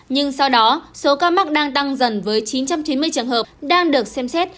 nhưng sau đó số ca mắc đang tăng dần với chín trăm chín mươi trường hợp đang được xem xét